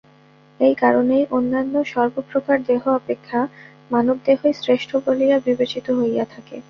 এই কারণেই অন্যান্য সর্বপ্রকার দেহ অপেক্ষা মানবদেহই শ্রেষ্ঠ বলিয়া বিবেচিত হইয়া থাকে।